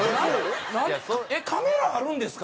カメラあるんですか？